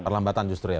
perlambatan justru ya